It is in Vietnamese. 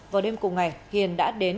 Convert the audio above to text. vào đêm cùng ngày hiền đã đến